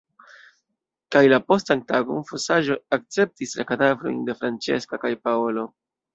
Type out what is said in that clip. Kaj la postan tagon fosaĵo akceptis la kadavrojn de Francesca kaj Paolo.